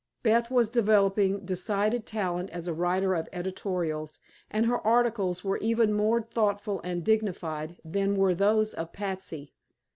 Beth was developing decided talent as a writer of editorials and her articles were even more thoughtful and dignified than were those of Patsy.